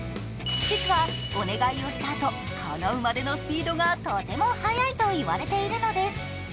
実はお願いをした後、かなうまでのスピードがとても早いといわれているのです。